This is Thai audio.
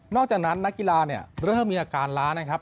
อกจากนั้นนักกีฬาเนี่ยเริ่มมีอาการล้านะครับ